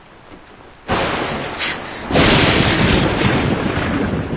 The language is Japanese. あっ！